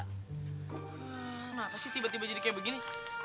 kenapa sih tiba tiba jadi kayak begini